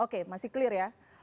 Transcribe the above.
oke masih clear ya